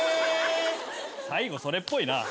最後それっぽいな。